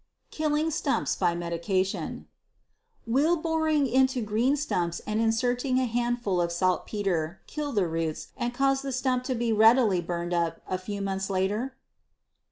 Killing Stumps by Medication. Will boring into green stumps and inserting a handful of saltpeter kill the roots and cause the stump to readily burn up a few months later?